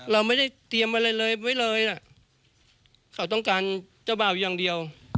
เราไม่ได้เตรียมอะไรเลยไว้เลยนะเขาต้องการเจ้าบ่าวอย่างเดียว